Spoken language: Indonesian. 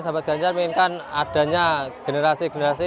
sahabat ganjar menginginkan adanya generasi generasi